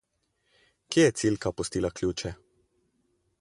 Kje je Cilka pustila ključe?